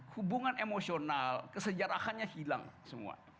hubungan emosional kesejarahannya hilang semua